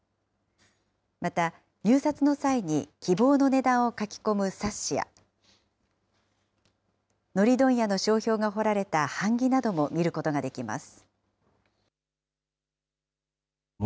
また、入札の際に希望の値段を書き込む冊子や、のり問屋の商標が彫られた版木なども見ることもできます。